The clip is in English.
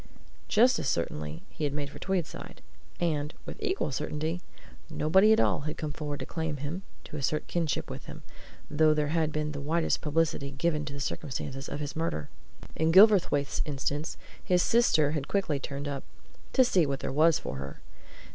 Just as certainly he had made for Tweedside. And with equal certainty nobody at all had come forward to claim him, to assert kinship with him, though there had been the widest publicity given to the circumstances of his murder. In Gilverthwaite's instance, his sister had quickly turned up to see what there was for her.